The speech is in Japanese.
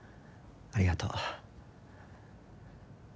ありがとう。